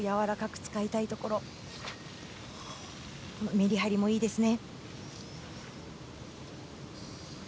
メリハリもいいですね。